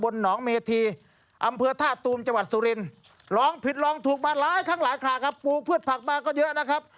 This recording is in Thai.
จำประสงค์ถูกมาหลายค่ะปูพรืดผักมาก็เยอะนะครับ